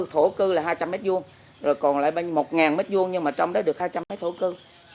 thổ cư là hai trăm linh m hai còn lại một m hai nhưng trong đó được hai trăm linh m hai thổ cư